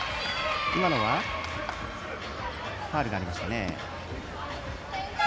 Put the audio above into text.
今のはファウルがありました。